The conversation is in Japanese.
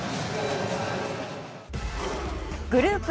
グループＡ